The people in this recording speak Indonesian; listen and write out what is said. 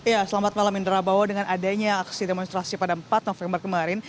ya selamat malam indra bahwa dengan adanya aksi demonstrasi pada empat november kemarin